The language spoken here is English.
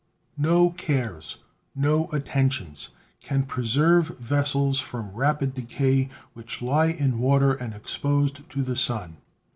No cares, no attentions, can preserve vessels from rapid decay which lie in water and exposed to the sun.